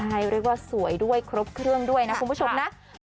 ใช่เรียกว่าสวยด้วยครบเครื่องด้วยนะคุณผู้ชมนะ